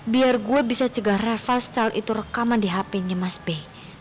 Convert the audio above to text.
biar gue bisa cegah rafa setelah itu rekaman di hpnya mas be